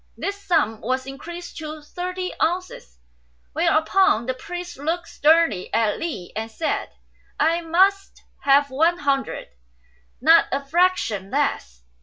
This sum was increased to thirty ounces, whereupon the priest looked sternly at Li and said, "I must have one hundred; not a fraction less."